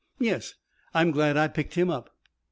"Yes. I'm glad I picked him up."